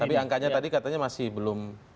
tapi angkanya tadi katanya masih belum